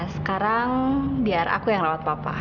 sekarang biar aku yang rawat papa